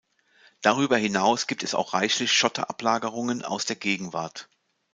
Darüber hinaus gibt es auch reichlich Schotterablagerungen aus der Gegenwart.